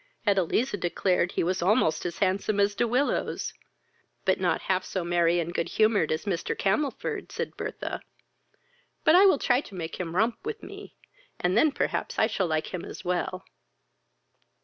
Edeliza declared he was almost as handsome as De Willows. "But not half so merry and good humoured as Mr. Camelford, (said Bertha;) but I will try to make him romp with me, and then perhaps I shall like him as well."